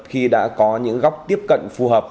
khi đã có những góc tiếp cận phù hợp